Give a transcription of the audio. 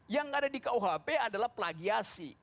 yang ada di kuhp adalah plagiasi